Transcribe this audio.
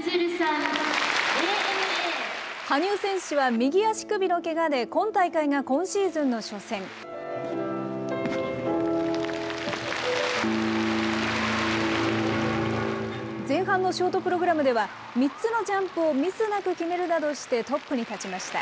羽生選手は、右足首のけがで、今大会が今シーズンの初戦。前半のショートプログラムでは、３つのジャンプをミスなく決めるなどして、トップに立ちました。